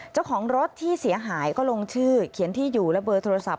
เจ้าของรถที่เสียหายก็ลงชื่อเขียนที่อยู่และเบอร์โทรศัพท์